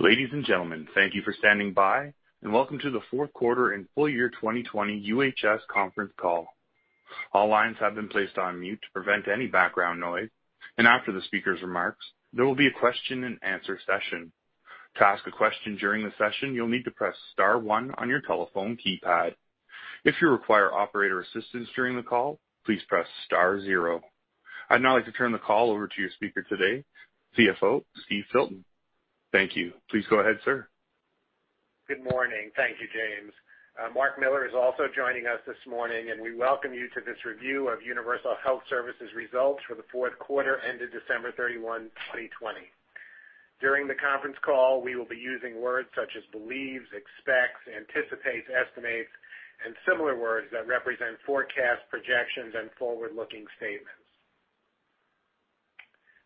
Ladies and gentlemen, thank you for standing by and welcome to the fourth quarter and full year 2020 UHS conference call. All lines have been placed on mute to prevent any background noise. After the speaker's remarks, there will be a question-and-answer session. To ask a question during the session, you'll need to press star one on your telephone keypad. If you require operator assistance during the call, please press star zero. I'd now like to turn the call over to your speaker today, CFO Steve Filton. Thank you. Please go ahead, sir. Good morning. Thank you, James. Marc Miller is also joining us this morning, and we welcome you to this review of Universal Health Services, results for the fourth quarter ended December 31, 2020. During the conference call, we will be using words such as believes, expects, anticipates, estimates, and similar words that represent forecasts, projections, and forward-looking statements.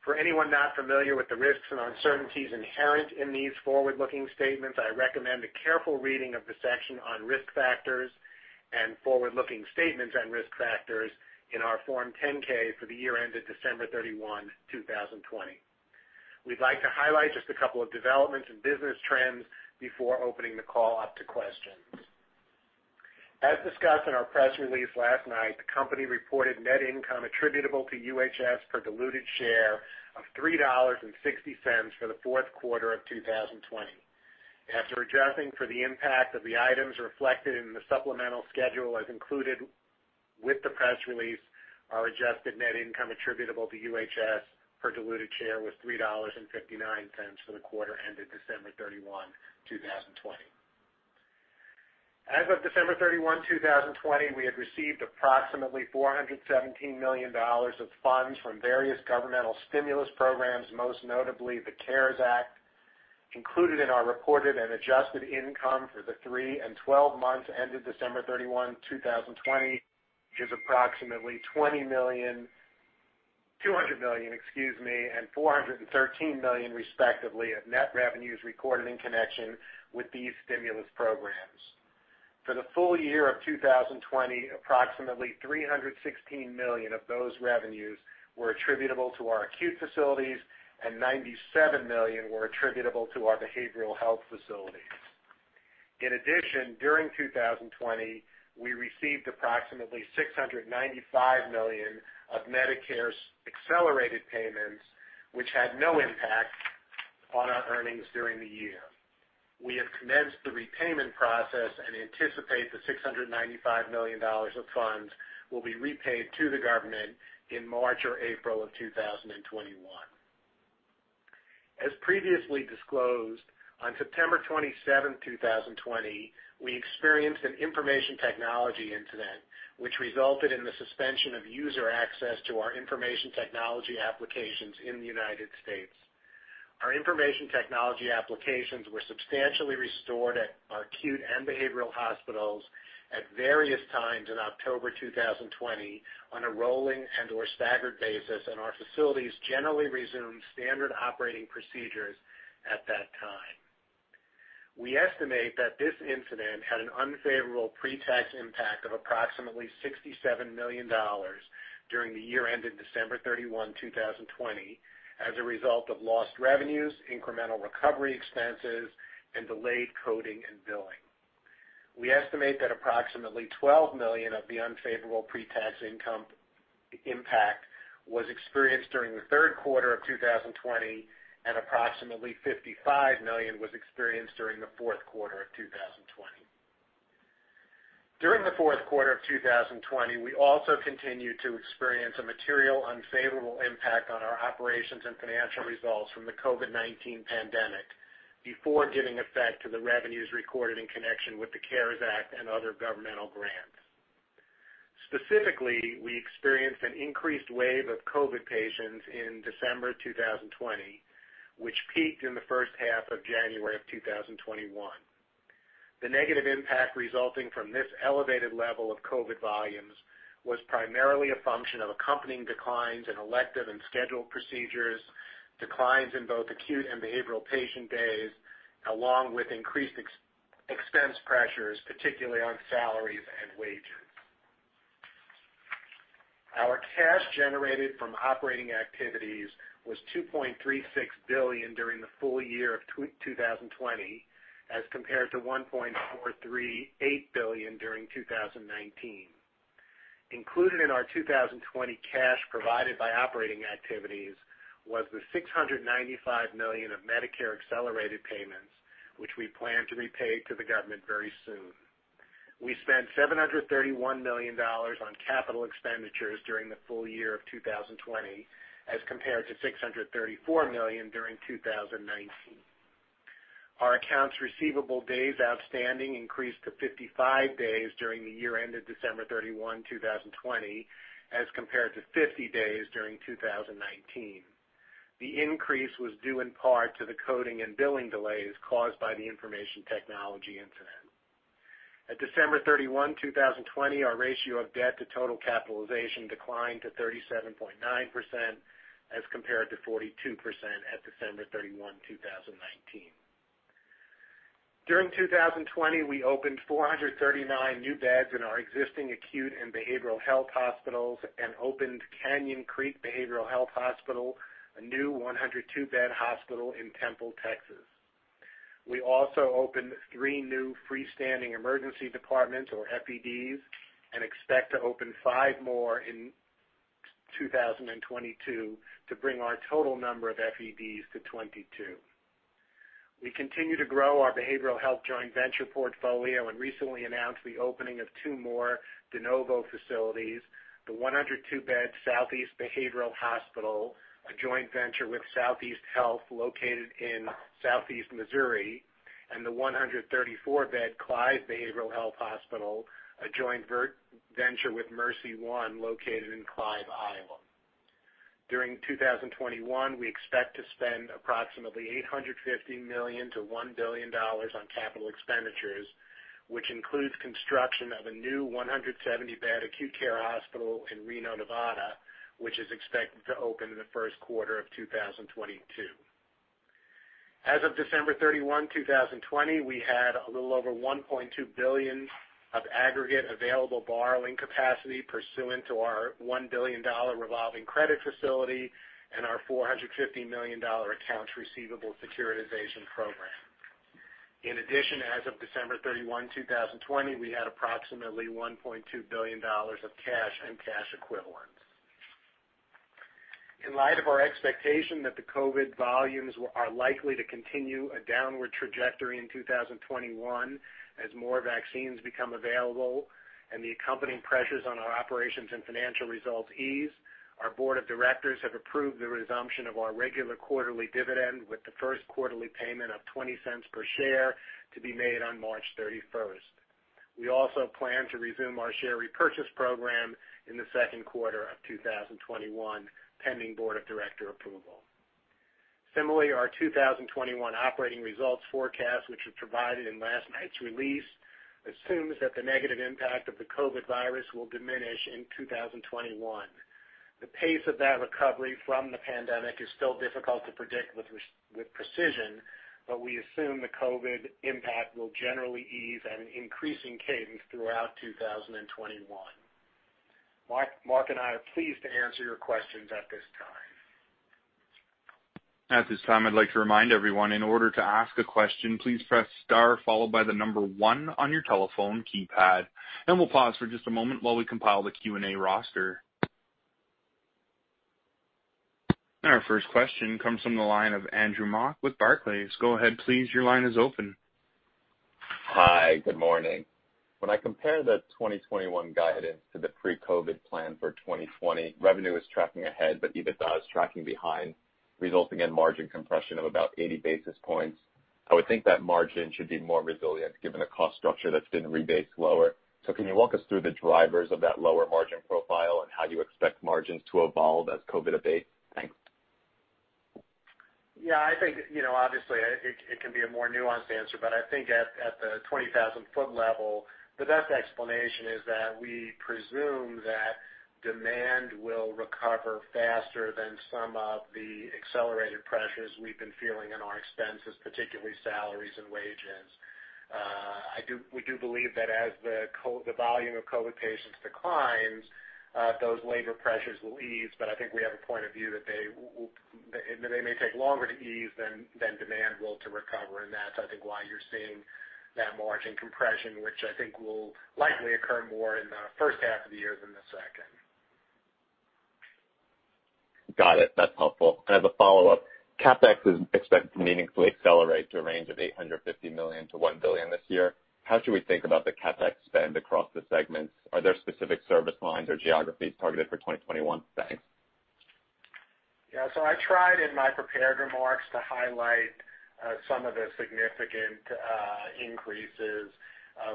For anyone not familiar with the risks and uncertainties inherent in these forward-looking statements, I recommend a careful reading of the section on risk factors and forward-looking statements and risk factors in our Form 10-K for the year ended December 31, 2020. We'd like to highlight just a couple of developments and business trends before opening the call up to questions. As discussed in our press release last night, the company reported net income attributable to UHS per diluted share of $3.60 for the fourth quarter of 2020. After adjusting for the impact of the items reflected in the supplemental schedule as included with the press release, our adjusted net income attributable to UHS per diluted share was $3.59 for the quarter ended December 31, 2020. As of December 31, 2020, we had received approximately $417 million of funds from various governmental stimulus programs, most notably the CARES Act. Included in our reported and adjusted income for the three and 12 months ended December 31, 2020, is approximately $200 million and $413 million, respectively, of net revenues recorded in connection with these stimulus programs. For the full year of 2020, approximately $316 million of those revenues were attributable to our acute facilities, and $97 million were attributable to our behavioral health facilities. In addition, during 2020, we received approximately $695 million of Medicare's accelerated payments, which had no impact on our earnings during the year. We have commenced the repayment process and anticipate the $695 million of funds will be repaid to the government in March or April of 2021. As previously disclosed, on September 27, 2020, we experienced an information technology incident which resulted in the suspension of user access to our information technology applications in the U.S. Our information technology applications were substantially restored at our acute and behavioral hospitals at various times in October 2020 on a rolling and/or staggered basis, and our facilities generally resumed standard operating procedures at that time. We estimate that this incident had an unfavorable pre-tax impact of approximately $67 million during the year ended December 31, 2020 as a result of lost revenues, incremental recovery expenses, and delayed coding and billing. We estimate that approximately $12 million of the unfavorable pre-tax income impact was experienced during the third quarter of 2020, and approximately $55 million was experienced during the fourth quarter of 2020. During the fourth quarter of 2020, we also continued to experience a material unfavorable impact on our operations and financial results from the COVID-19 pandemic before giving effect to the revenues recorded in connection with the CARES Act and other governmental grants. Specifically, we experienced an increased wave of COVID patients in December 2020, which peaked in the first half of January of 2021. The negative impact resulting from this elevated level of COVID volumes was primarily a function of accompanying declines in elective and scheduled procedures, declines in both acute and behavioral patient days, along with increased expense pressures, particularly on salaries and wages. Our cash generated from operating activities was $2.36 billion during the full year of 2020 as compared to $1.438 billion during 2019. Included in our 2020 cash provided by operating activities was the $695 million of Medicare accelerated payments, which we plan to repay to the government very soon. We spent $731 million on capital expenditures during the full year of 2020 as compared to $634 million during 2019. Our accounts receivable days outstanding increased to 55 days during the year ended December 31, 2020, as compared to 50 days during 2019. The increase was due in part to the coding and billing delays caused by the information technology incident. At December 31, 2020, our ratio of debt to total capitalization declined to 37.9% as compared to 42% at December 31, 2019. During 2020, we opened 439 new beds in our existing acute and behavioral health hospitals and opened Canyon Creek Behavioral Health Hospital, a new 102-bed hospital in Temple, Texas. We also opened three new freestanding emergency departments, or FEDs, and expect to open five more in 2022 to bring our total number of FEDs to 22. We continue to grow our behavioral health joint venture portfolio and recently announced the opening of two more de novo facilities, the 102-bed Southeast Behavioral Hospital, a joint venture with SoutheastHEALTH located in Southeast Missouri, and the 134-bed Clive Behavioral Health Hospital, a joint venture with MercyOne, located in Clive, Iowa. During 2021, we expect to spend approximately $850 million to $1 billion on capital expenditures, which includes construction of a new 170-bed acute care hospital in Reno, Nevada, which is expected to open in the first quarter of 2022. As of December 31, 2020, we had a little over $1.2 billion of aggregate available borrowing capacity pursuant to our $1 billion revolving credit facility and our $450 million accounts receivable securitization program. As of December 31, 2020, we had approximately $1.2 billion of cash and cash equivalents. In light of our expectation that the COVID volumes are likely to continue a downward trajectory in 2021 as more vaccines become available and the accompanying pressures on our operations and financial results ease, our board of directors have approved the resumption of our regular quarterly dividend, with the first quarterly payment of $0.20 per share to be made on March 31st. We also plan to resume our share repurchase program in the second quarter of 2021, pending board of director approval. Similarly, our 2021 operating results forecast, which was provided in last night's release, assumes that the negative impact of the COVID virus will diminish in 2021. The pace of that recovery from the pandemic is still difficult to predict with precision, but we assume the COVID impact will generally ease at an increasing cadence throughout 2021. Marc and I are pleased to answer your questions at this time. At this time, I'd like to remind everyone, in order to ask a question, please press star followed by the number one on your telephone keypad. We'll pause for just a moment while we compile the Q&A roster. Our first question comes from the line of Andrew Mok with Barclays. Go ahead, please. Your line is open. Hi. Good morning. When I compare the 2021 guidance to the pre-COVID plan for 2020, revenue is tracking ahead, but EBITDA is tracking behind, resulting in margin compression of about 80 basis points. I would think that margin should be more resilient given the cost structure that's been rebased lower. Can you walk us through the drivers of that lower margin profile and how you expect margins to evolve as COVID abates? Thanks. Yeah, I think, obviously, it can be a more nuanced answer, but I think at the 20,000 ft level, the best explanation is that we presume that demand will recover faster than some of the accelerated pressures we've been feeling in our expenses, particularly salaries and wages. We do believe that as the volume of COVID patients declines, those labor pressures will ease, but I think we have a point of view that they may take longer to ease than demand will to recover, and that's, I think, why you're seeing that margin compression, which I think will likely occur more in the first half of the year than the second. Got it. That's helpful. As a follow-up, CapEx is expected to meaningfully accelerate to a range of $850 million - $1 billion this year. How should we think about the CapEx spend across the segments? Are there specific service lines or geographies targeted for 2021? Thanks. Yeah, I tried in my prepared remarks to highlight some of the significant increases.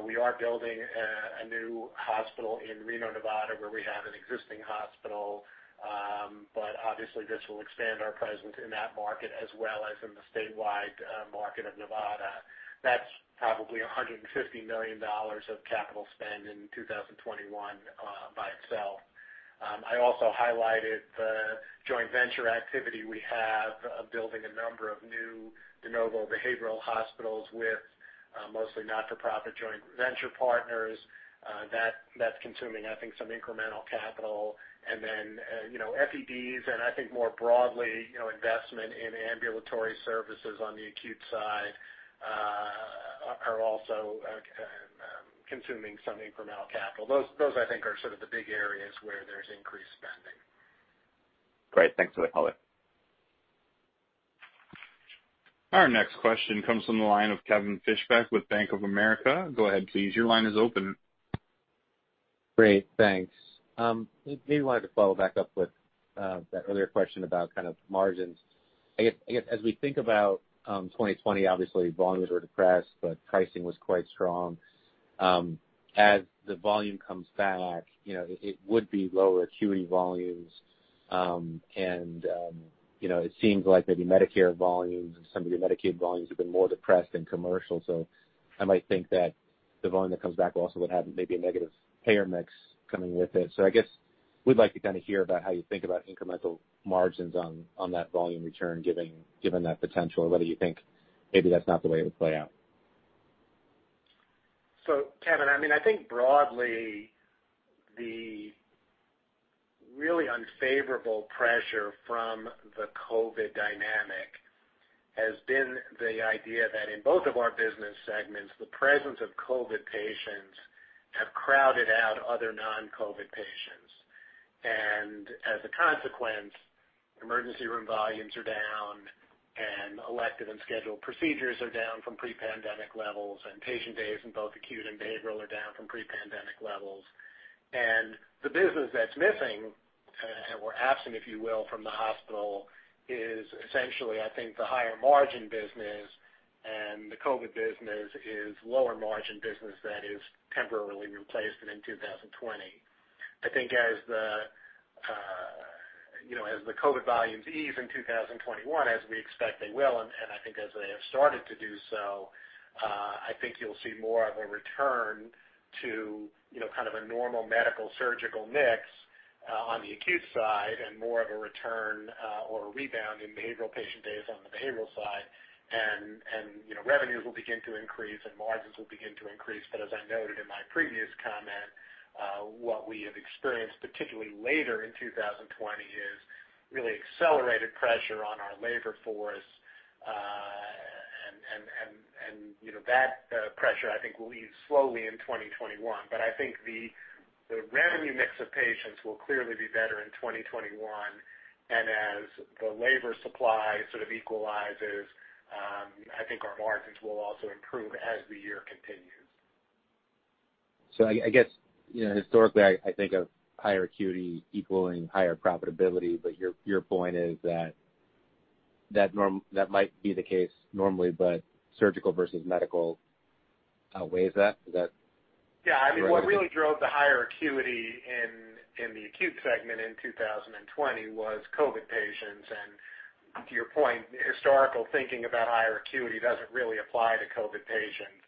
We are building a new hospital in Reno, Nevada, where we have an existing hospital. Obviously, this will expand our presence in that market as well as in the statewide market of Nevada. That's probably $150 million of capital spend in 2021 by itself. I also highlighted the joint venture activity we have of building a number of new de novo behavioral hospitals with mostly not-for-profit joint venture partners. That's consuming, I think, some incremental capital. FEDs and I think more broadly, investment in ambulatory services on the acute side are also consuming some incremental capital. Those, I think, are sort of the big areas where there's increased spending. Great. Thanks for the color. Our next question comes from the line of Kevin Fischbeck with Bank of America. Go ahead, please. Your line is open. Great, thanks. Maybe wanted to follow back up with that earlier question about kind of margins. I guess, as we think about 2020, obviously, volumes were depressed, but pricing was quite strong. As the volume comes back, it would be lower acuity volumes, and it seems like maybe Medicare volumes and some of your Medicaid volumes have been more depressed than commercial. I might think that the volume that comes back also would have maybe a negative payer mix coming with it. We'd like to hear about how you think about incremental margins on that volume return, given that potential, or whether you think maybe that's not the way it would play out. Kevin, I think broadly, the really unfavorable pressure from the COVID dynamic has been the idea that in both of our business segments, the presence of COVID patients have crowded out other non-COVID patients. As a consequence, emergency room volumes are down, and elective and scheduled procedures are down from pre-pandemic levels, and patient days in both acute and behavioral are down from pre-pandemic levels. The business that's missing, or absent, if you will, from the hospital is essentially, I think, the higher margin business, and the COVID business is lower margin business that is temporarily replaced and in 2020. I think as the COVID volumes ease in 2021, as we expect they will, and I think as they have started to do so, I think you'll see more of a return to kind of a normal medical surgical mix, on the acute side, and more of a return or a rebound in behavioral patient days on the behavioral side. Revenues will begin to increase, and margins will begin to increase. As I noted in my previous comment, what we have experienced, particularly later in 2020, is really accelerated pressure on our labor force. That pressure, I think, will ease slowly in 2021. I think the revenue mix of patients will clearly be better in 2021. As the labor supply sort of equalizes, I think our margins will also improve as the year continues. I guess historically, I think of higher acuity equaling higher profitability, but your point is that might be the case normally, but surgical versus medical outweighs that. Is that? Yeah. What really drove the higher acuity in the acute segment in 2020 was COVID patients. To your point, historical thinking about higher acuity doesn't really apply to COVID patients.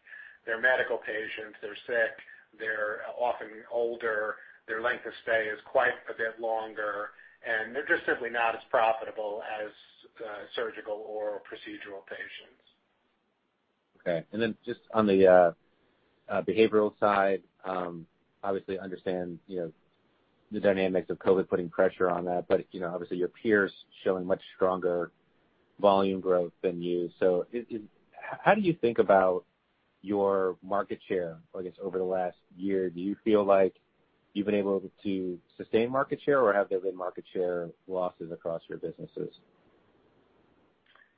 They're medical patients. They're sick. They're often older. Their length of stay is quite a bit longer, and they're just simply not as profitable as surgical or procedural patients. Okay. Just on the behavioral side, obviously understand the dynamics of COVID putting pressure on that. Obviously, your peers showing much stronger volume growth than you. How do you think about your market share, I guess, over the last year? Do you feel like you've been able to sustain market share, or have there been market share losses across your businesses?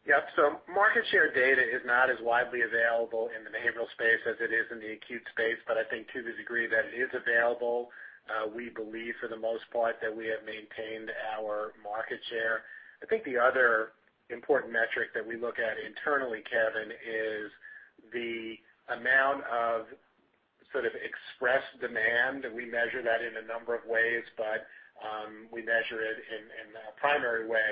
Yep. Market share data is not as widely available in the behavioral space as it is in the acute space. I think to the degree that it is available, we believe for the most part that we have maintained our market share. I think the other important metric that we look at internally, Kevin, is the amount of sort of expressed demand. We measure that in a number of ways, but we measure it in a primary way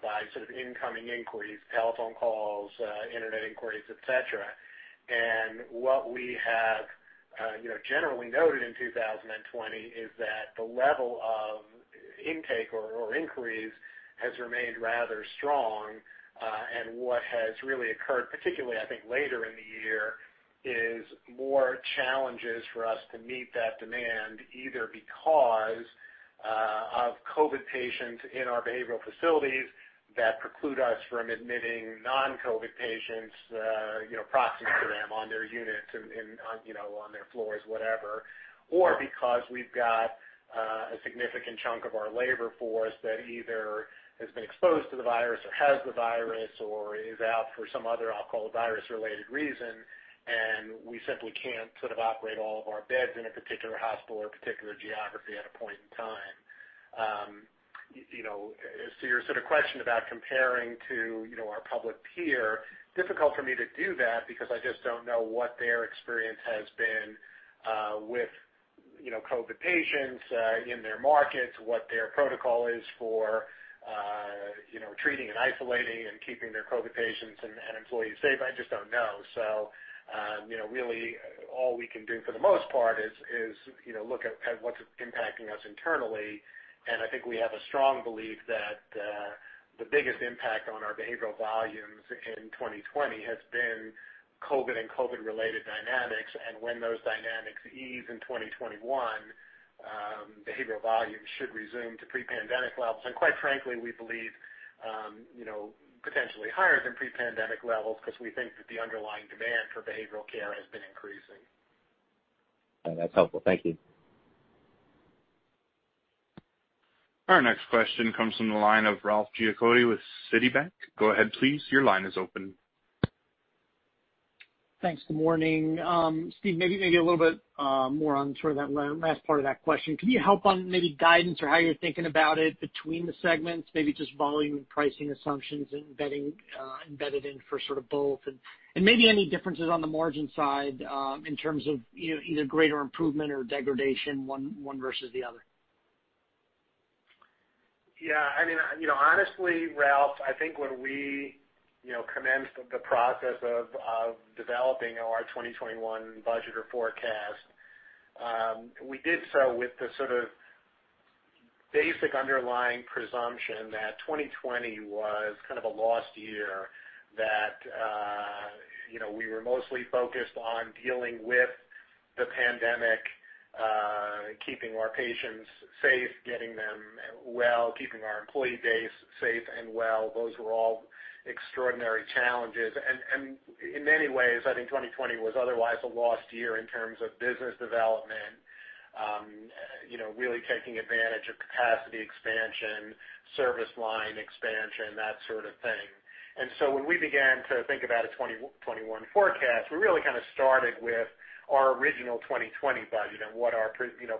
by sort of incoming inquiries, telephone calls, internet inquiries, et cetera. What we have generally noted in 2020 is that the level of intake or inquiries has remained rather strong. What has really occurred, particularly, I think, later in the year, is more challenges for us to meet that demand, either because of COVID patients in our behavioral facilities that preclude us from admitting non-COVID patients proximate to them on their units and on their floors, whatever. Because we've got a significant chunk of our labor force that either has been exposed to the virus or has the virus or is out for some other, I'll call it, virus-related reason, and we simply can't sort of operate all of our beds in a particular hospital or particular geography at a point in time. Your question about comparing to our public peer, difficult for me to do that because I just don't know what their experience has been with COVID patients in their markets, what their protocol is for treating and isolating and keeping their COVID patients and employees safe. I just don't know. Really, all we can do for the most part is look at what's impacting us internally. I think we have a strong belief that the biggest impact on our behavioral volumes in 2020 has been COVID and COVID-related dynamics. When those dynamics ease in 2021, behavioral volumes should resume to pre-pandemic levels. Quite frankly, we believe potentially higher than pre-pandemic levels because we think that the underlying demand for behavioral care has been increasing. That's helpful. Thank you. Our next question comes from the line of Ralph Giacobbe with Citi. Go ahead, please. Your line is open. Thanks. Good morning. Steve, maybe to get a little bit more on sort of that last part of that question, can you help on maybe guidance or how you're thinking about it between the segments? Maybe just volume and pricing assumptions embedded in for sort of both and maybe any differences on the margin side, in terms of either greater improvement or degradation, one versus the other. Yeah. Honestly, Ralph, I think when we commenced the process of developing our 2021 budget or forecast, we did so with the basic underlying presumption that 2020 was kind of a lost year. That we were mostly focused on dealing with the pandemic, keeping our patients safe, getting them well, keeping our employee base safe and well. Those were all extraordinary challenges. In many ways, I think 2020 was otherwise a lost year in terms of business development, really taking advantage of capacity expansion, service line expansion, that sort of thing. When we began to think about a 2021 forecast, we really started with our original 2020 budget and what our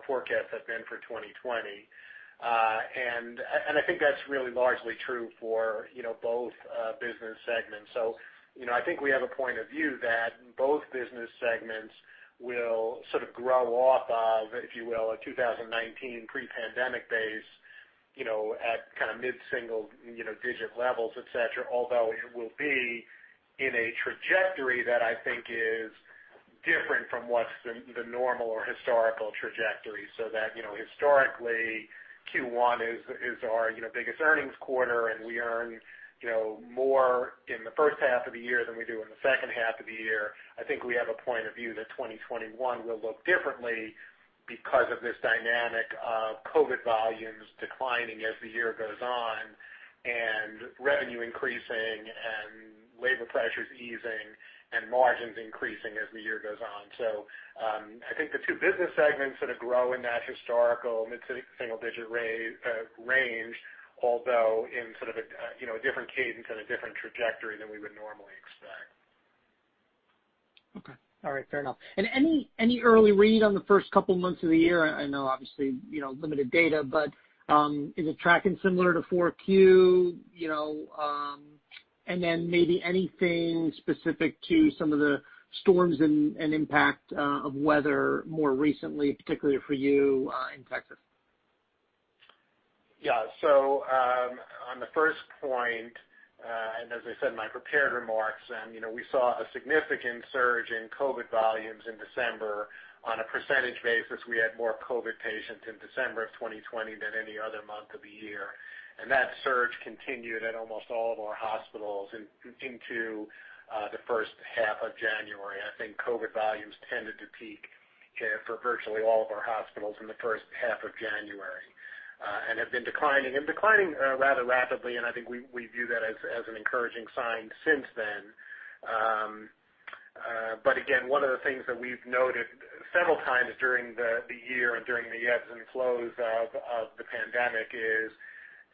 forecasts have been for 2020. I think that's really largely true for both business segments. I think we have a point of view that both business segments will sort of grow off of, if you will, a 2019 pre-pandemic base, at mid-single digit levels, et cetera. Although it will be in a trajectory that I think is different from what's the normal or historical trajectory. Historically, Q1 is our biggest earnings quarter, and we earn more in the first half of the year than we do in the second half of the year. I think we have a point of view that 2021 will look differently because of this dynamic of COVID-19 volumes declining as the year goes on, and revenue increasing and labor pressures easing and margins increasing as the year goes on. I think the two business segments grow in that historical mid-single digit range, although in a different cadence and a different trajectory than we would normally expect. Okay. All right. Fair enough. Any early read on the first couple of months of the year? I know obviously limited data, but is it tracking similar to 4Q? Maybe anything specific to some of the storms and impact of weather more recently, particularly for you in Texas? On the first point, and as I said in my prepared remarks, we saw a significant surge in COVID volumes in December. On a percentage basis, we had more COVID patients in December 2020 than any other month of the year. That surge continued at almost all of our hospitals into the first half of January. I think COVID volumes tended to peak for virtually all of our hospitals in the first half of January, and have been declining, and declining rather rapidly, and I think we view that as an encouraging sign since then. Again, one of the things that we've noted several times during the year and during the ebbs and flows of the pandemic is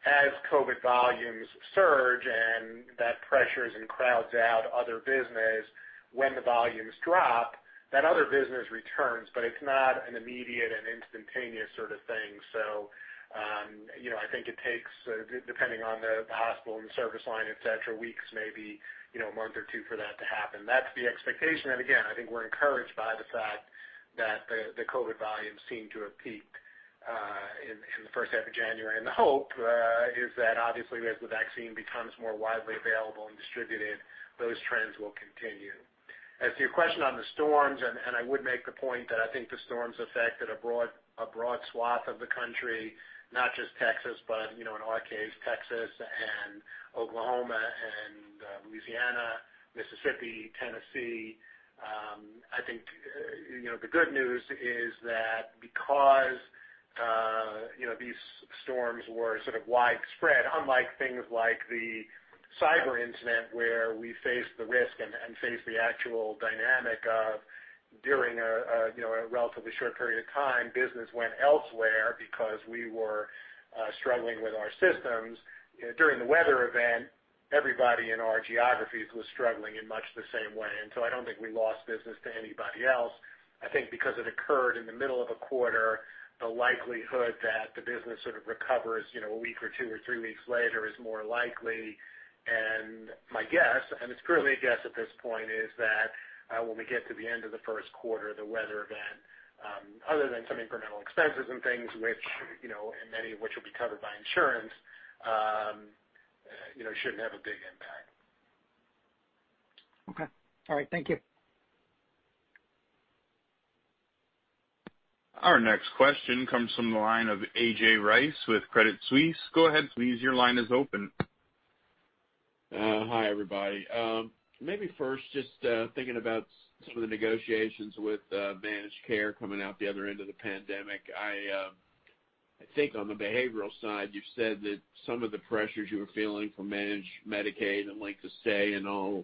as COVID volumes surge and that pressures and crowds out other business, when the volumes drop, that other business returns, but it's not an immediate and instantaneous sort of thing. I think it takes, depending on the hospital and the service line, et cetera, weeks, maybe a month or two for that to happen. That's the expectation, and again, I think we're encouraged by the fact that the COVID volumes seem to have peaked in the first half of January. The hope is that obviously as the vaccine becomes more widely available and distributed, those trends will continue. As to your question on the storms, I would make the point that I think the storms affected a broad swath of the country, not just Texas, but in our case, Texas and Oklahoma and Louisiana, Mississippi, Tennessee. I think the good news is that because these storms were sort of widespread, unlike things like the cyber incident where we faced the risk and faced the actual dynamic of during a relatively short period of time, business went elsewhere because we were struggling with our systems. During the weather event, everybody in our geographies was struggling in much the same way. I don't think we lost business to anybody else. I think because it occurred in the middle of a quarter, the likelihood that the business sort of recovers a week or two or three weeks later is more likely. My guess, and it's purely a guess at this point, is that when we get to the end of the first quarter, the weather event, other than some incremental expenses and things, and many of which will be covered by insurance, shouldn't have a big impact. Okay. All right. Thank you. Our next question comes from the line of A.J. Rice with Credit Suisse. Go ahead please, your line is open. Hi, everybody. Maybe first, just thinking about some of the negotiations with managed care coming out the other end of the pandemic. I think on the behavioral side, you've said that some of the pressures you were feeling from managed Medicaid and length of stay and all,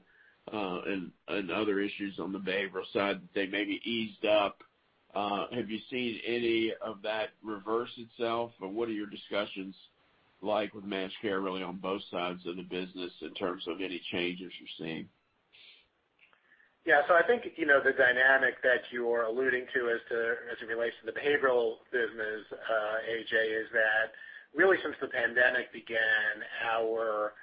and other issues on the behavioral side, they maybe eased up. Have you seen any of that reverse itself? What are your discussions like with managed care really on both sides of the business in terms of any changes you're seeing? Yeah. I think the dynamic that you're alluding to as it relates to the behavioral business, A.J., is that really since the pandemic began, our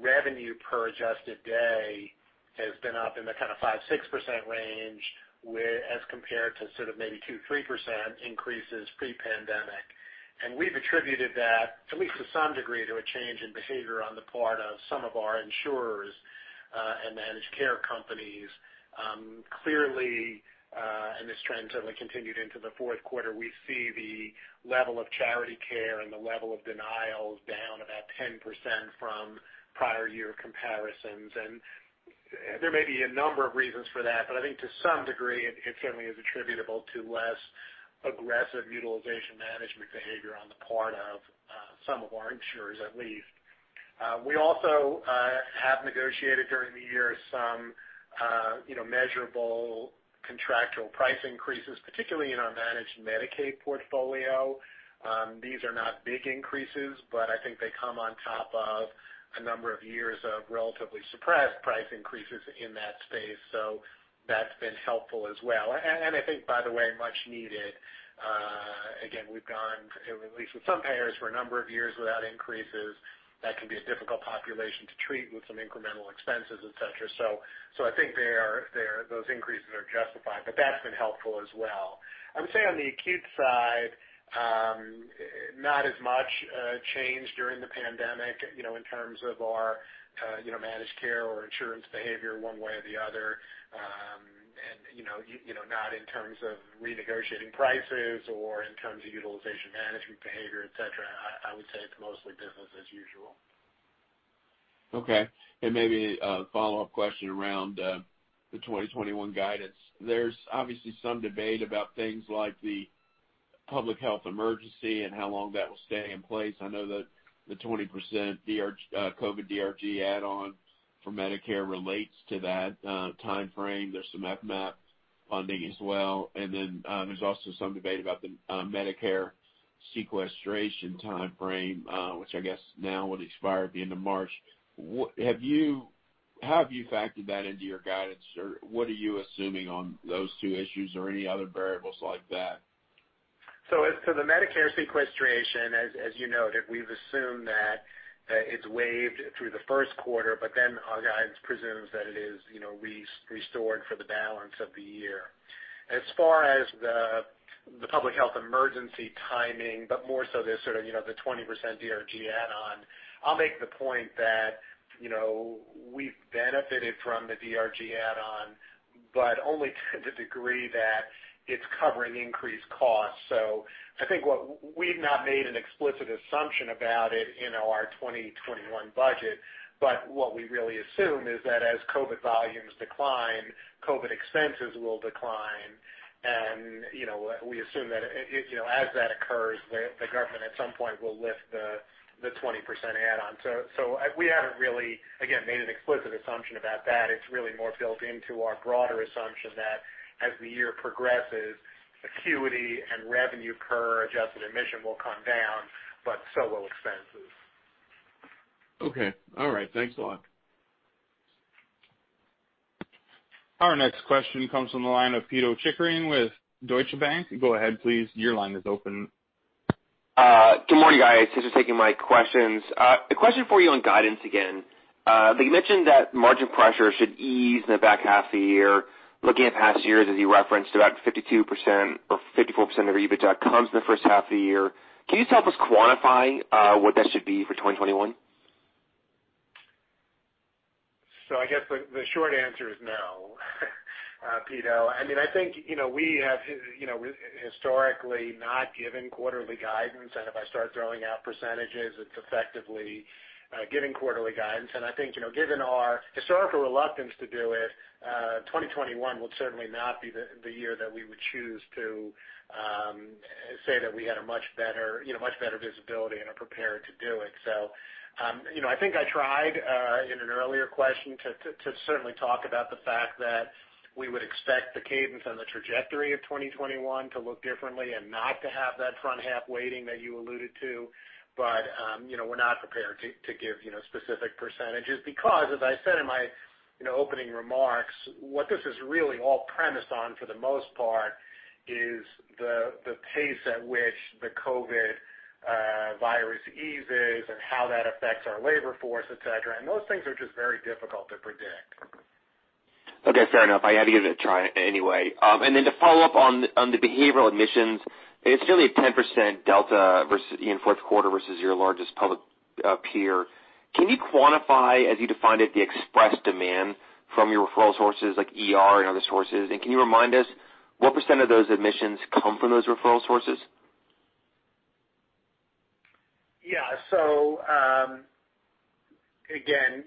revenue per adjusted day has been up in the kind of 5%-6% range, as compared to sort of maybe 2% to 3% increases pre-pandemic. We've attributed that, at least to some degree, to a change in behavior on the part of some of our insurers and managed care companies. Clearly, and this trend certainly continued into the fourth quarter, we see the level of charity care and the level of denials down about 10% from prior year comparisons. There may be a number of reasons for that, but I think to some degree, it certainly is attributable to less aggressive utilization management behavior on the part of some of our insurers, at least. We also have negotiated during the year some measurable contractual price increases, particularly in our managed Medicaid portfolio. These are not big increases, but I think they come on top of a number of years of relatively suppressed price increases in that space. That's been helpful as well. I think, by the way, much needed. Again, we've gone, at least with some payers, for a number of years without increases. That can be a difficult population to treat with some incremental expenses, et cetera. I think those increases are justified, but that's been helpful as well. I would say on the acute side, not as much change during the pandemic, in terms of our managed care or insurance behavior one way or the other. Not in terms of renegotiating prices or in terms of utilization management behavior, et cetera. I would say it's mostly business as usual. Okay. Maybe a follow-up question around the 2021 guidance. There's obviously some debate about things like the public health emergency and how long that will stay in place. I know the 20% COVID DRG add-on for Medicare relates to that timeframe. There's some FMAP funding as well. Then, there's also some debate about the Medicare sequestration timeframe, which I guess now would expire at the end of March. How have you factored that into your guidance, or what are you assuming on those two issues or any other variables like that? As to the Medicare sequestration, as you noted, we've assumed that it's waived through the first quarter, then our guidance presumes that it is restored for the balance of the year. As far as the public health emergency timing, more so the sort of 20% DRG add-on, I'll make the point that we've benefited from the DRG add-on, but only to the degree that it's covering increased costs. I think we've not made an explicit assumption about it in our 2021 budget. What we really assume is that as COVID volumes decline, COVID expenses will decline, and we assume that as that occurs, the government at some point will lift the 20% add-on. We haven't really, again, made an explicit assumption about that. It's really more built into our broader assumption that as the year progresses, acuity and revenue per adjusted admission will come down, but so will expenses. Okay. All right. Thanks a lot. Our next question comes from the line of Pito Chickering with Deutsche Bank. Go ahead, please. Your line is open. Good morning, guys. Thanks for taking my questions. A question for you on guidance again. You mentioned that margin pressure should ease in the back half of the year. Looking at past years, as you referenced, about 52% or 54% of your EBITDA comes in the first half of the year. Can you just help us quantify what that should be for 2021? I guess the short answer is no, Pito. I think we have historically not given quarterly guidance, and if I start throwing out percentages, it's effectively giving quarterly guidance. I think, given our historical reluctance to do it, 2021 would certainly not be the year that we would choose to say that we had a much better visibility and are prepared to do it. I think I tried in an earlier question to certainly talk about the fact that we would expect the cadence and the trajectory of 2021 to look differently and not to have that front half weighting that you alluded to. We're not prepared to give specific percentages because, as I said in my opening remarks, what this is really all premised on, for the most part, is the pace at which the COVID virus eases and how that affects our labor force, et cetera. Those things are just very difficult to predict. Okay, fair enough. I had to give it a try anyway. To follow up on the behavioral admissions, it's nearly a 10% delta in fourth quarter versus your largest public peer. Can you quantify, as you defined it, the express demand from your referral sources, like ER and other sources? Can you remind us what percentage of those admissions come from those referral sources? Yeah. Again,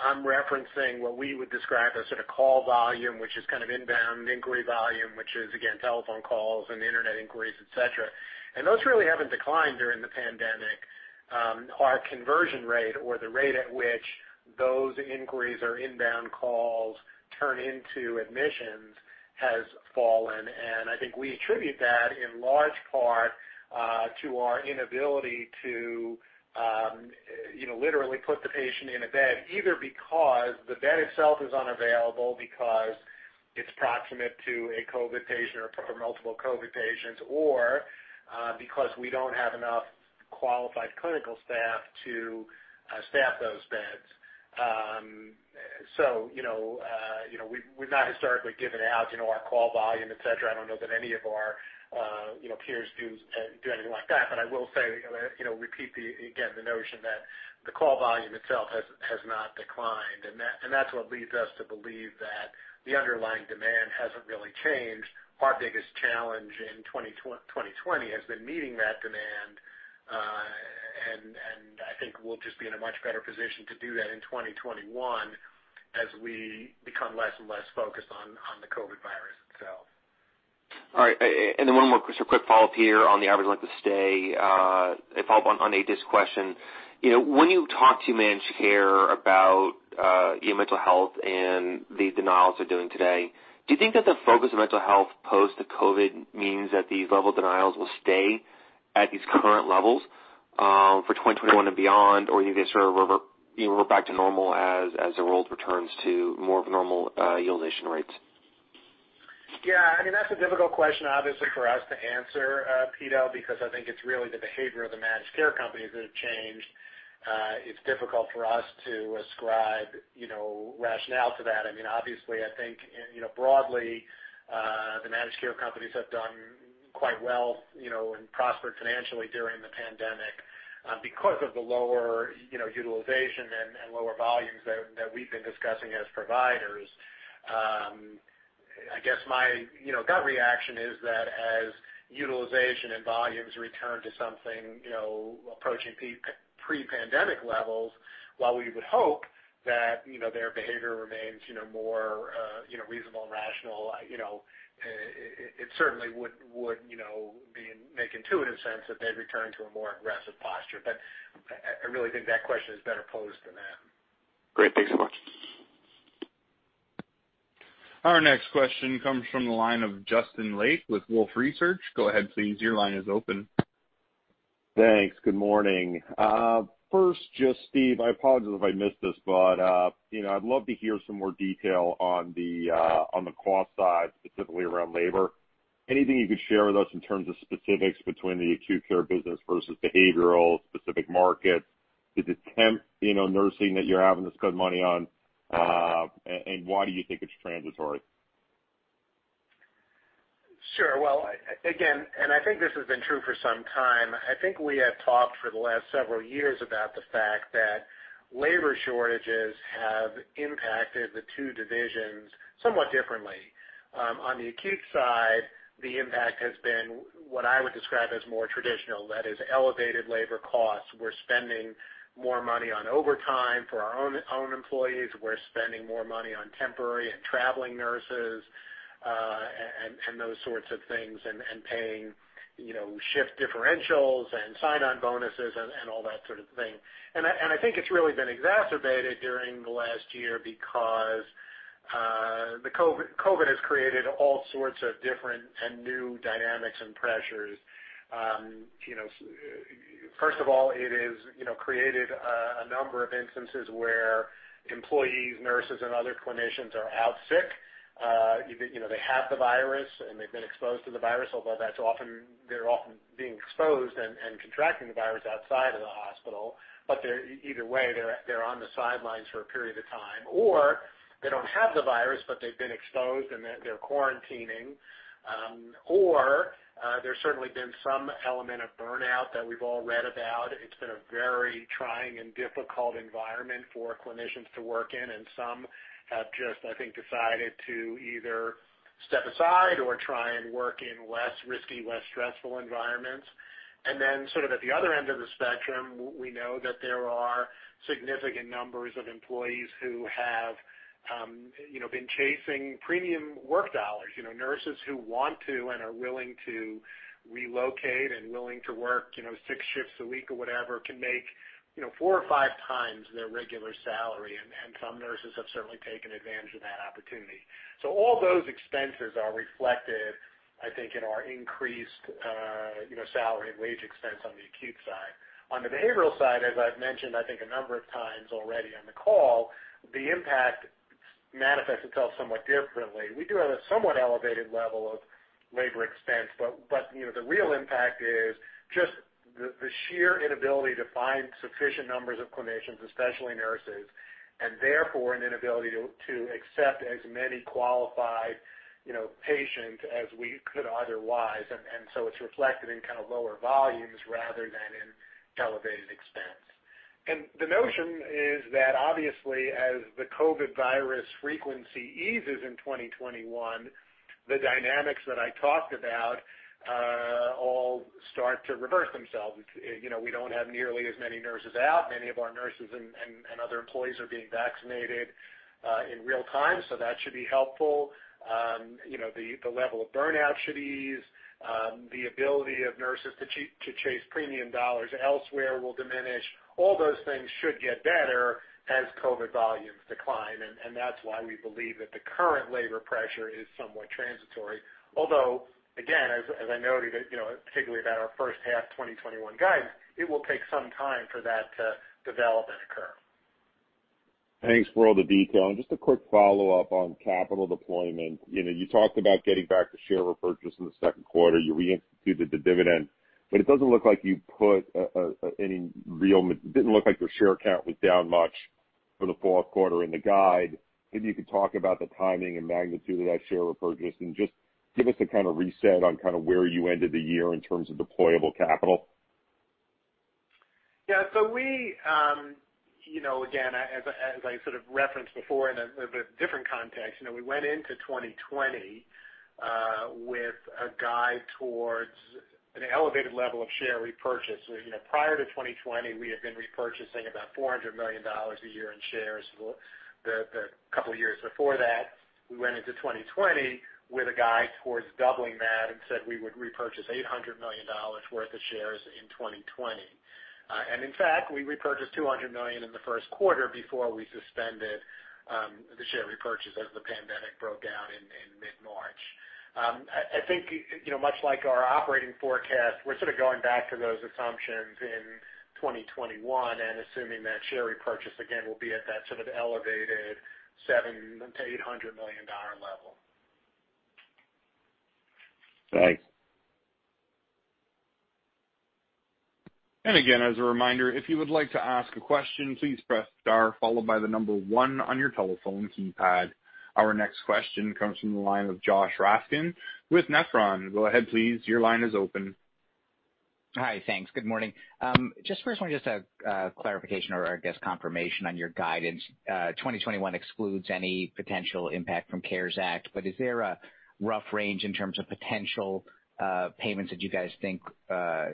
I'm referencing what we would describe as sort of call volume, which is kind of inbound inquiry volume, which is, again, telephone calls and internet inquiries, et cetera. Those really haven't declined during the pandemic. Our conversion rate or the rate at which those inquiries or inbound calls turn into admissions has fallen. I think we attribute that in large part to our inability to literally put the patient in a bed, either because the bed itself is unavailable because it's proximate to a COVID patient or for multiple COVID patients, or because we don't have enough qualified clinical staff to staff those beds. We've not historically given out our call volume, et cetera. I don't know that any of our peers do anything like that. I will say, repeat again the notion that the call volume itself has not declined. That's what leads us to believe that the underlying demand hasn't really changed. Our biggest challenge in 2020 has been meeting that demand, and I think we'll just be in a much better position to do that in 2021 as we become less and less focused on the COVID virus itself. All right. One more just a quick follow-up here on the average length of stay, a follow-up on A.J.'s question. When you talk to managed care about your mental health and the denials they're doing today, do you think that the focus of mental health post-COVID means that these level denials will stay at these current levels for 2021 and beyond? Do you guys sort of revert back to normal as the world returns to more of normal utilization rates? Yeah, that's a difficult question, obviously, for us to answer, Pito, because I think it's really the behavior of the managed care companies that have changed. It's difficult for us to ascribe rationale to that. I think, broadly, the managed care companies have done quite well and prospered financially during the pandemic because of the lower utilization and lower volumes that we've been discussing as providers. I guess my gut reaction is that as utilization and volumes return to something approaching pre-pandemic levels, while we would hope that their behavior remains more reasonable and rational, it certainly would make intuitive sense that they'd return to a more aggressive posture. I really think that question is better posed to them. Great. Thank so much. Our next question comes from the line of Justin Lake with Wolfe Research. Go ahead, please. Your line is open. Thanks. Good morning. First, just Steve, I apologize if I missed this, but I'd love to hear some more detail on the cost side, specifically around labor. Anything you could share with us in terms of specifics between the acute care business versus behavioral, specific markets? Is it temp nursing that you're having to spend money on? Why do you think it's transitory? Sure. Well, again, I think this has been true for some time. I think we have talked for the last several years about the fact that labor shortages have impacted the two divisions somewhat differently. On the acute side, the impact has been what I would describe as more traditional, that is elevated labor costs. We're spending more money on overtime for our own employees. We're spending more money on temporary and traveling nurses, and those sorts of things, and paying shift differentials and sign-on bonuses and all that sort of thing. I think it's really been exacerbated during the last year because COVID-19 has created all sorts of different and new dynamics and pressures. First of all, it has created a number of instances where employees, nurses, and other clinicians are out sick. They have the virus, and they've been exposed to the virus, although they're often being exposed and contracting the virus outside of the hospital. Either way, they're on the sidelines for a period of time. They don't have the virus, but they've been exposed, and they're quarantining. There's certainly been some element of burnout that we've all read about. It's been a very trying and difficult environment for clinicians to work in, and some have just, I think, decided to either step aside or try and work in less risky, less stressful environments. Sort of at the other end of the spectrum, we know that there are significant numbers of employees who have been chasing premium work dollars. Nurses who want to and are willing to relocate and willing to work six shifts a week or whatever can make four or five times their regular salary, and some nurses have certainly taken advantage of that opportunity. All those expenses are reflected, I think, in our increased salary and wage expense on the acute side. On the behavioral side, as I've mentioned, I think a number of times already on the call, the impact manifests itself somewhat differently. We do have a somewhat elevated level of labor expense, but the real impact is just the sheer inability to find sufficient numbers of clinicians, especially nurses, and therefore an inability to accept as many qualified patients as we could otherwise. It's reflected in kind of lower volumes rather than in elevated expense. The notion is that obviously as the COVID-19 virus frequency eases in 2021, the dynamics that I talked about all start to reverse themselves. We don't have nearly as many nurses out. Many of our nurses and other employees are being vaccinated in real time, so that should be helpful. The level of burnout should ease. The ability of nurses to chase premium dollars elsewhere will diminish. All those things should get better as COVID-19 volumes decline. That's why we believe that the current labor pressure is somewhat transitory, although, again, as I noted, particularly about our first half 2021 guidance, it will take some time for that to develop and occur. Thanks for all the detail. Just a quick follow-up on capital deployment. You talked about getting back to share repurchase in the second quarter. You reinstituted the dividend, but it didn't look like your share count was down much for the fourth quarter in the guide. Maybe you could talk about the timing and magnitude of that share repurchase and just give us a kind of reset on where you ended the year in terms of deployable capital. Yeah. Again, as I sort of referenced before in a bit different context, we went into 2020 with a guide towards an elevated level of share repurchase. Prior to 2020, we had been repurchasing about $400 million a year in shares. The two years before that, we went into 2020 with a guide towards doubling that and said we would repurchase $800 million worth of shares in 2020. In fact, we repurchased $200 million in the first quarter before we suspended the share repurchase as the pandemic broke out in mid-March. I think, much like our operating forecast, we're sort of going back to those assumptions in 2021 and assuming that share repurchase again will be at that sort of elevated $700 million-$800 million level. Thanks. Again, as a reminder, if you would like to ask a question, please press star followed by the number one on your telephone keypad. Our next question comes from the line of Josh Raskin with Nephron. Go ahead, please. Your line is open. Hi. Thanks. Good morning. Just first one, just a clarification or I guess confirmation on your guidance. 2021 excludes any potential impact from CARES Act. Is there a rough range in terms of potential payments that you guys think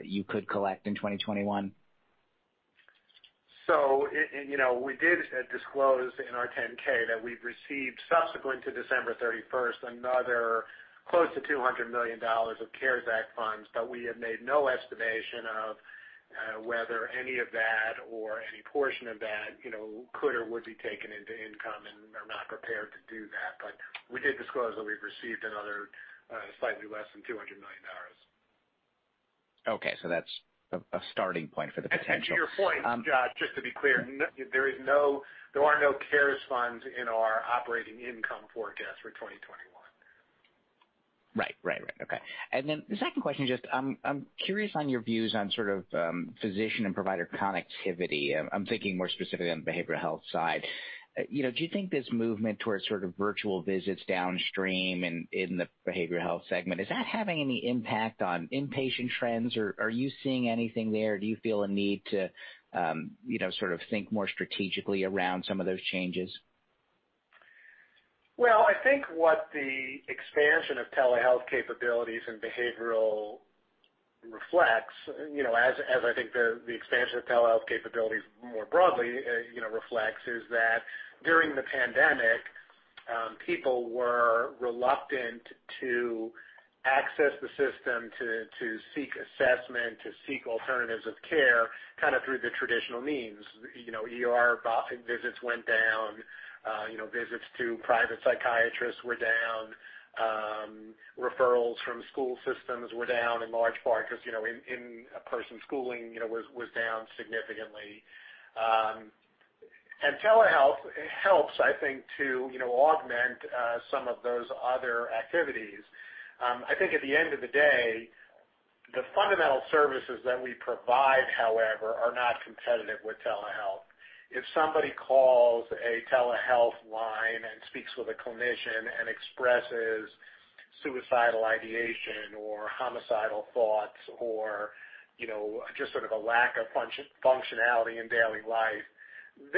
you could collect in 2021? We did disclose in our 10-K that we've received subsequent to December 31st another close to $200 million of CARES Act funds, but we have made no estimation of whether any of that or any portion of that could or would be taken into income, and are not prepared to do that. We did disclose that we've received another slightly less than $200 million. Okay. That's a starting point for the. To your point, Josh, just to be clear, there are no CARES funds in our operating income forecast for 2021. Right. Okay. The second question, just I'm curious on your views on sort of physician and provider connectivity. I'm thinking more specifically on the behavioral health side. Do you think this movement towards sort of virtual visits downstream and in the behavioral health segment, is that having any impact on inpatient trends? Are you seeing anything there? Do you feel a need to sort of think more strategically around some of those changes? Well, I think what the expansion of telehealth capabilities and behavioral reflects, as I think the expansion of telehealth capabilities more broadly reflects, is that during the pandemic, people were reluctant to access the system to seek assessment, to seek alternatives of care, kind of through the traditional means. ER visits went down, visits to private psychiatrists were down, referrals from school systems were down in large part because in-person schooling was down significantly. Telehealth helps, I think, to augment some of those other activities. I think at the end of the day, the fundamental services that we provide, however, are not competitive with telehealth. If somebody calls a telehealth line and speaks with a clinician and expresses suicidal ideation or homicidal thoughts or just sort of a lack of functionality in daily life, if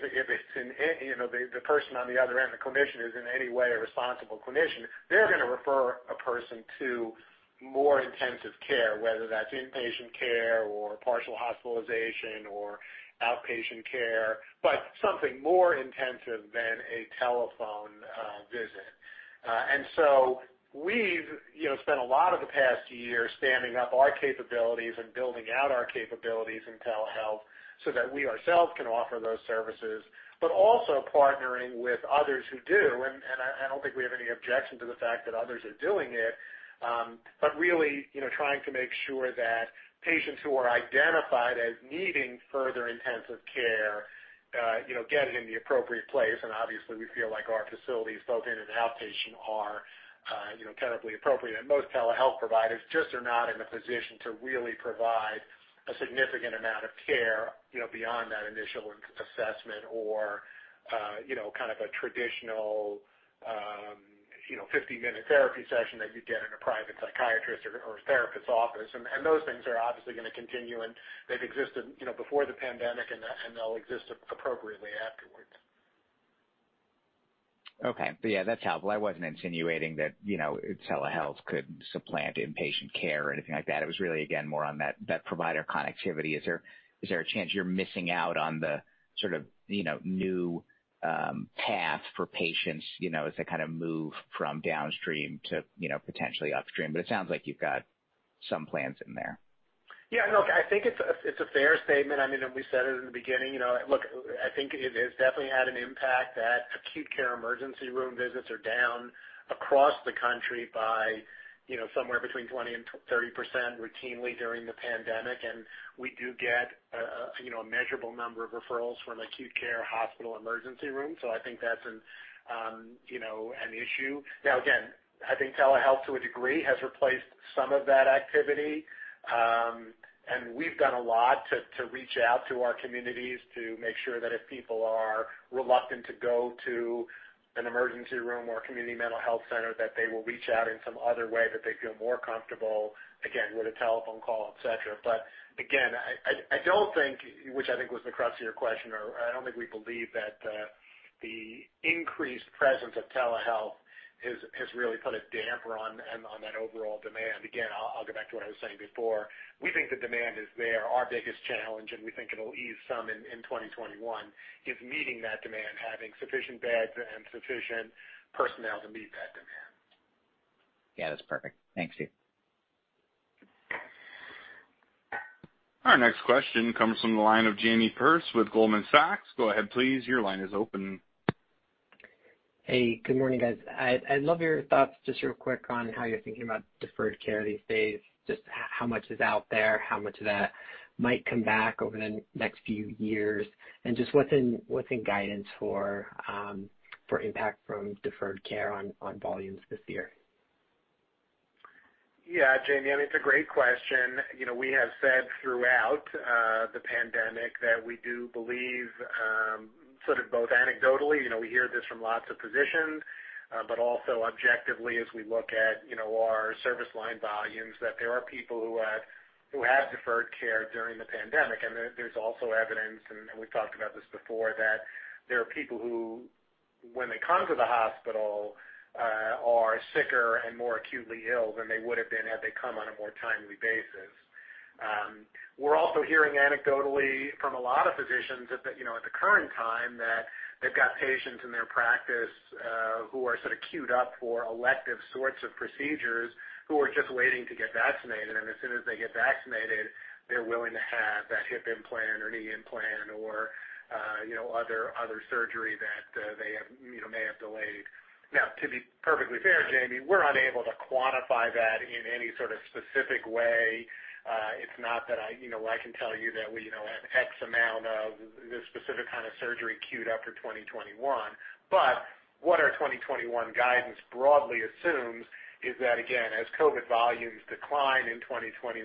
the person on the other end, the clinician, is in any way a responsible clinician, they're going to refer a person to more intensive care, whether that's inpatient care or partial hospitalization or outpatient care, but something more intensive than a telephone visit. We've spent a lot of the past year standing up our capabilities and building out our capabilities in telehealth so that we ourselves can offer those services, but also partnering with others who do. I don't think we have any objection to the fact that others are doing it. Really trying to make sure that patients who are identified as needing further intensive care get it in the appropriate place. Obviously, we feel like our facilities, both in and outpatient are terribly appropriate. Most telehealth providers just are not in a position to really provide a significant amount of care beyond that initial assessment or kind of a traditional 50-minute therapy session that you get in a private psychiatrist or therapist's office. Those things are obviously going to continue, and they've existed before the pandemic, and they'll exist appropriately afterwards. Okay. Yeah, that's helpful. I wasn't insinuating that telehealth could supplant inpatient care or anything like that. It was really, again, more on that provider connectivity. Is there a chance you're missing out on the sort of new path for patients as they kind of move from downstream to potentially upstream? It sounds like you've got some plans in there. Yeah, look, I think it's a fair statement. We said it in the beginning. I think it has definitely had an impact that acute care emergency room visits are down across the country by somewhere between 20% and 30% routinely during the pandemic and we do get a measurable number of referrals from acute care hospital emergency rooms. I think that's an issue. Again, I think telehealth to a degree has replaced some of that activity. We've done a lot to reach out to our communities to make sure that if people are reluctant to go to an emergency room or community mental health center, that they will reach out in some other way that they feel more comfortable, again, with a telephone call, et cetera. Again, I don't think, which I think was the crux of your question, or I don't think we believe that the increased presence of telehealth has really put a damper on that overall demand. Again, I'll go back to what I was saying before. We think the demand is there. Our biggest challenge, and we think it'll ease some in 2021, is meeting that demand, having sufficient beds and sufficient personnel to meet that demand. Yeah, that's perfect. Thanks, Steve. Our next question comes from the line of Jamie Perse with Goldman Sachs. Go ahead, please. Your line is open. Hey, good morning, guys. I'd love your thoughts just real quick on how you're thinking about deferred care these days. Just how much is out there, how much of that might come back over the next few years, and just what's in guidance for impact from deferred care on volumes this year? Yeah, Jamie, it's a great question. We have said throughout the pandemic that we do believe, both anecdotally, we hear this from lots of physicians, but also objectively as we look at our service line volumes, that there are people who have deferred care during the pandemic. There's also evidence, and we've talked about this before, that there are people who, when they come to the hospital, are sicker and more acutely ill than they would have been had they come on a more timely basis. We're also hearing anecdotally from a lot of physicians at the current time that they've got patients in their practice who are queued up for elective sorts of procedures who are just waiting to get vaccinated. As soon as they get vaccinated, they're willing to have that hip implant or knee implant or other surgery that they may have delayed. To be perfectly fair, Jamie, we're unable to quantify that in any sort of specific way. It's not that I can tell you that we have X amount of this specific kind of surgery queued up for 2021. What our 2021 guidance broadly assumes is that, again, as COVID volumes decline in 2021,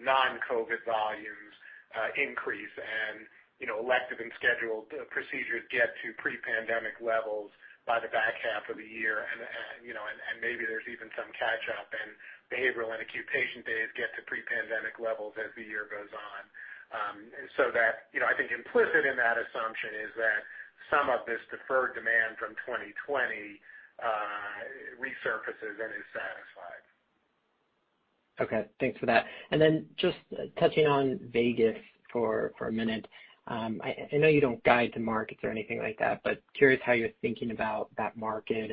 non-COVID volumes increase and elective and scheduled procedures get to pre-pandemic levels by the back half of the year, and maybe there's even some catch-up and behavioral and acute patient days get to pre-pandemic levels as the year goes on. I think implicit in that assumption is that some of this deferred demand from 2020 resurfaces and is satisfied. Okay. Thanks for that. Just touching on Vegas for a minute, I know you don't guide to markets or anything like that, but curious how you're thinking about that market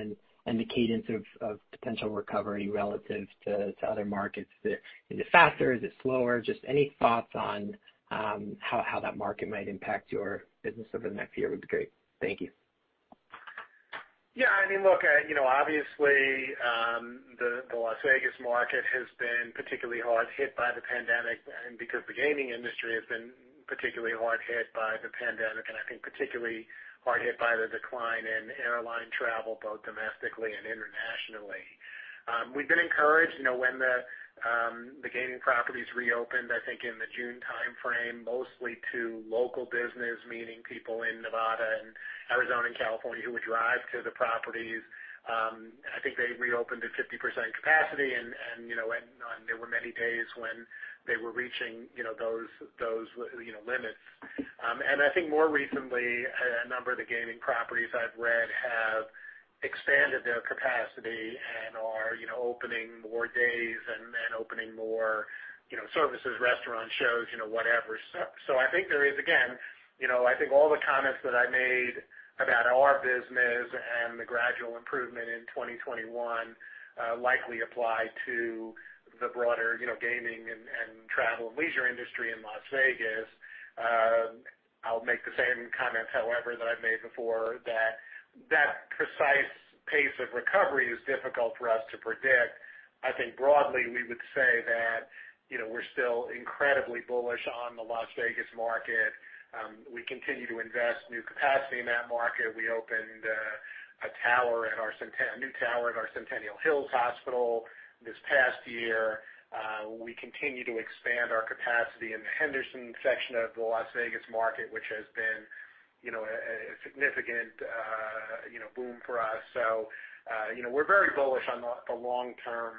and the cadence of potential recovery relative to other markets. Is it faster? Is it slower? Just any thoughts on how that market might impact your business over the next year would be great. Thank you. Yeah. Look, obviously, the Las Vegas market has been particularly hard hit by the pandemic and because the gaming industry has been particularly hard hit by the pandemic, and I think particularly hard hit by the decline in airline travel, both domestically and internationally. We've been encouraged when the gaming properties reopened, I think, in the June timeframe, mostly to local business, meaning people in Nevada and Arizona and California who would drive to the properties. I think they reopened at 50% capacity, and there were many days when they were reaching those limits. I think more recently, a number of the gaming properties I've read have expanded their capacity and are opening more days and opening more services, restaurants, shows, whatever. I think there is, again, I think all the comments that I made about our business and the gradual improvement in 2021 likely apply to the broader gaming and travel and leisure industry in Las Vegas. I'll make the same comment, however, that I've made before that precise pace of recovery is difficult for us to predict. I think broadly, we would say that we're still incredibly bullish on the Las Vegas market. We continue to invest new capacity in that market. We opened a new tower at our Centennial Hills Hospital this past year. We continue to expand our capacity in the Henderson section of the Las Vegas market, which has been a significant boom for us. We're very bullish on the long-term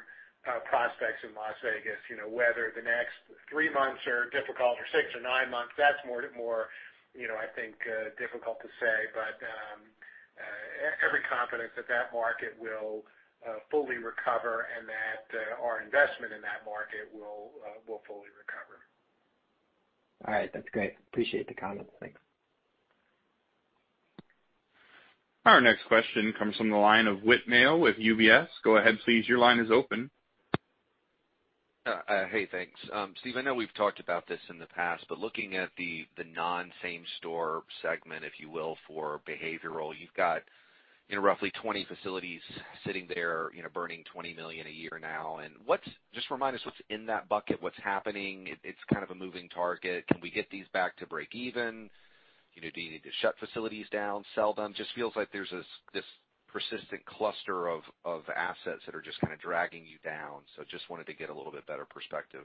prospects in Las Vegas. Whether the next three months are difficult or six or nine months, that's more I think difficult to say. Every confidence that that market will fully recover and that our investment in that market will fully recover. All right. That's great. Appreciate the comments. Thanks. Our next question comes from the line of Whit Mayo with UBS. Go ahead, please. Your line is open. Hey, thanks. Steve, I know we've talked about this in the past, but looking at the non-same store segment, if you will, for behavioral, you've got roughly 20 facilities sitting there, burning $20 million a year now. Just remind us what's in that bucket, what's happening. It's kind of a moving target. Can we get these back to break even? Do you need to shut facilities down, sell them? Just feels like there's this persistent cluster of assets that are just kind of dragging you down. Just wanted to get a little bit better perspective.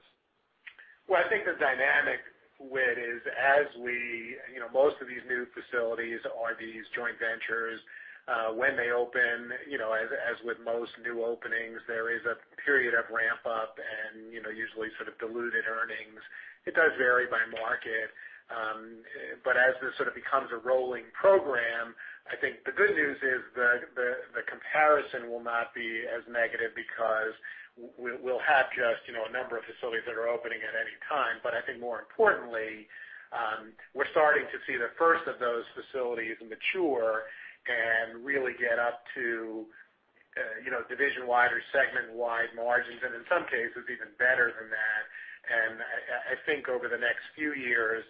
I think the dynamic, Whit, is most of these new facilities are these joint ventures. When they open, as with most new openings, there is a period of ramp up and usually sort of diluted earnings. It does vary by market. As this sort of becomes a rolling program, I think the good news is the comparison will not be as negative because we'll have just a number of facilities that are opening at any time. I think more importantly, we're starting to see the first of those facilities mature and really get up to division-wide or segment-wide margins, and in some cases, even better than that. I think over the next few years,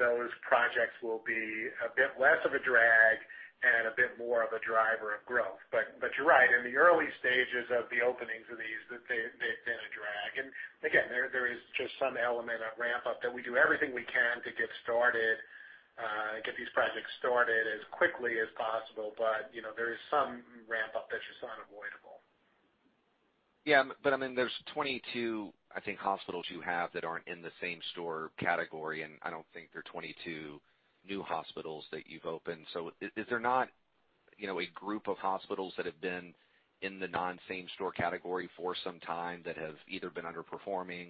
those projects will be a bit less of a drag and a bit more of a driver of growth. You're right. In the early stages of the openings of these, they've been a drag. Again, there is just some element of ramp-up that we do everything we can to get these projects started as quickly as possible. There is some ramp-up that's just unavoidable. Yeah, there's 22, I think, hospitals you have that aren't in the same store category, and I don't think there are 22 new hospitals that you've opened. Is there not a group of hospitals that have been in the non-same store category for some time that have either been underperforming?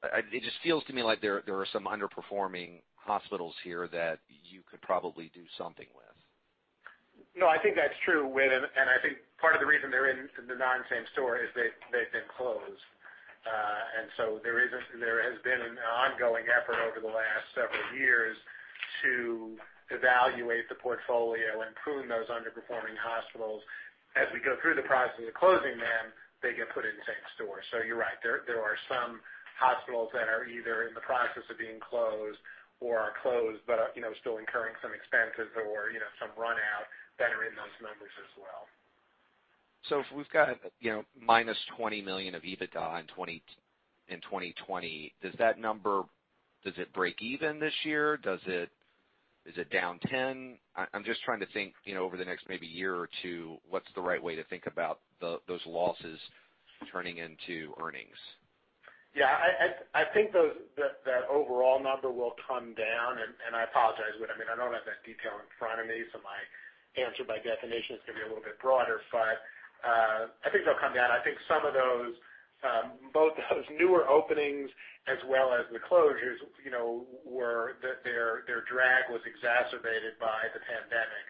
It just feels to me like there are some underperforming hospitals here that you could probably do something with. No, I think that's true, Whit. I think part of the reason they're in the non-same-store is they've been closed. There has been an ongoing effort over the last several years to evaluate the portfolio and prune those underperforming hospitals. As we go through the process of closing them, they get put in same-store. You're right. There are some hospitals that are either in the process of being closed or are closed, but are still incurring some expenses or some run-out that are in those numbers as well. If we've got -$20 million of EBITDA in 2020, does that number break even this year? Is it down 10? I'm just trying to think, over the next maybe year or two, what's the right way to think about those losses turning into earnings? Yeah, I think the overall number will come down. I apologize, Whit. I don't have that detail in front of me. My answer by definition is going to be a little bit broader. I think they'll come down. I think some of those, both those newer openings as well as the closures, their drag was exacerbated by the pandemic.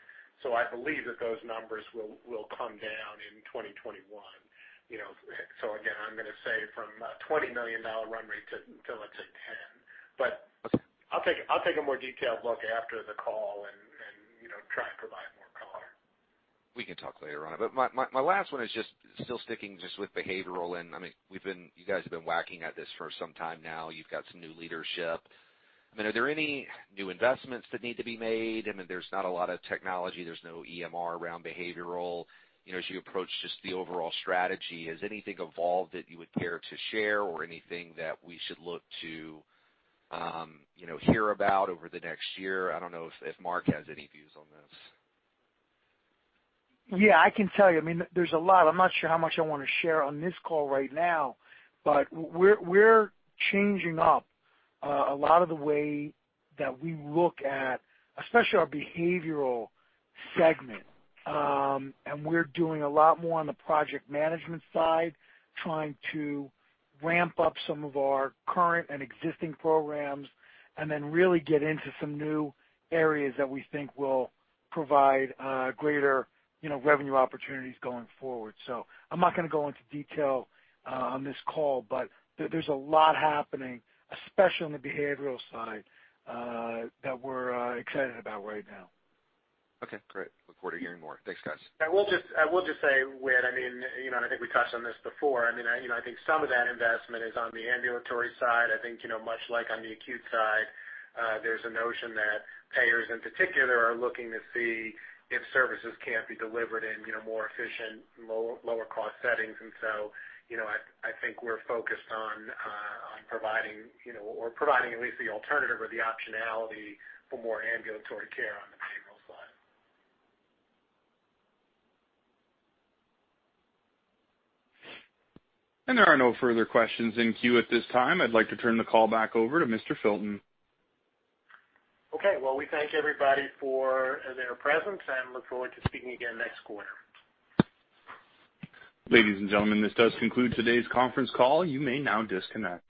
I believe that those numbers will come down in 2021. Again, I'm going to say from a $20 million run rate to let's say $10. I'll take a more detailed look after the call and try to provide more color. We can talk later on. My last one is just still sticking just with behavioral, and you guys have been whacking at this for some time now. You've got some new leadership. Are there any new investments that need to be made? There's not a lot of technology. There's no EMR around behavioral. As you approach just the overall strategy, has anything evolved that you would care to share or anything that we should look to hear about over the next year? I don't know if Marc has any views on this. Yeah, I can tell you. There's a lot. I'm not sure how much I want to share on this call right now, but we're changing up a lot of the way that we look at, especially our behavioral segment. We're doing a lot more on the project management side, trying to ramp up some of our current and existing programs and then really get into some new areas that we think will provide greater revenue opportunities going forward. I'm not going to go into detail on this call, but there's a lot happening, especially on the behavioral side, that we're excited about right now. Okay, great. Look forward to hearing more. Thanks, guys. I will just say, Whit, I think we touched on this before, I think some of that investment is on the ambulatory side. I think much like on the acute side, there's a notion that payers in particular are looking to see if services can't be delivered in more efficient, lower cost settings. I think we're focused on providing at least the alternative or the optionality for more ambulatory care on the behavioral side. There are no further questions in queue at this time. I'd like to turn the call back over to Mr. Filton. Well, we thank everybody for their presence and look forward to speaking again next quarter. Ladies and gentlemen, this does conclude today's conference call. You may now disconnect.